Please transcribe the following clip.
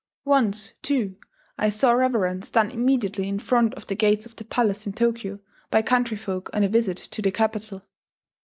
Once, too, I saw reverence done immediately in front of the gates of the palace in Tokyo by country folk on a visit to the capital.